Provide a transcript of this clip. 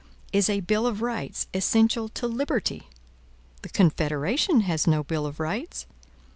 Is a bill of rights essential to liberty? The Confederation has no bill of rights.